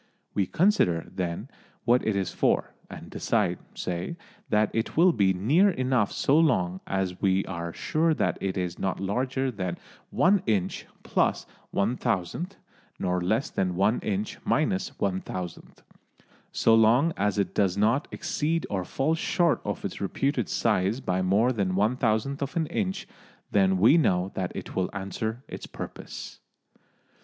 We consider, then, what it is for, and decide, say, that it will be near enough so long as we are sure that it is not larger than one inch plus one thousandth, nor less than one inch minus one thousandth. So long as it does not exceed or fall short of its reputed size by more than one thousandth of an inch, then we know that it will answer its purpose.